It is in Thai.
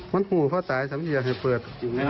มันภูเขาตายจะไม่ได้ให้เปิด